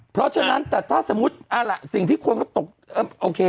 เพราะฉะนั้นถ้าสมมุติสิ่งที่ควรก็ตก